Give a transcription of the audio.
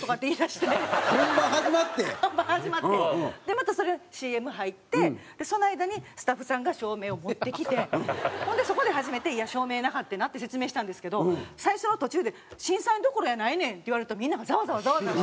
でまたそれＣＭ入ってその間にスタッフさんが照明を持ってきてほんでそこで初めて「いや照明なかってな」って説明したんですけど最初の途中で「審査員どころやないねん」って言われるとみんながザワザワザワザワ。